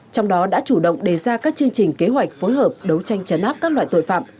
trong đó đã chủ động đề ra các chương trình kế hoạch phối hợp đấu tranh chấn áp các loại tội phạm